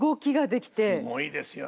すごいですよね。